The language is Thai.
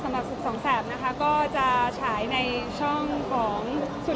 สำหรับสองแสบนะคะก็จะฉายในช่องของ